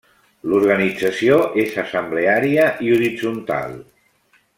L'organització és assembleària i horitzontal.